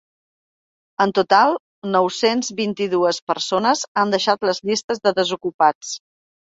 En total, nou-cents vint-i-dues persones han deixat les llistes de desocupats.